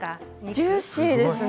ジューシーですね。